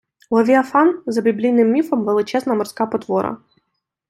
Левіафан - за біблійним міфом, величезна морська потвора